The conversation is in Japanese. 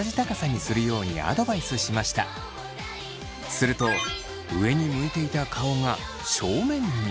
すると上に向いていた顔が正面に。